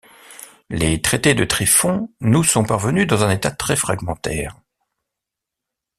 Les traités de Tryphon nous sont parvenus dans un état très fragmentaire.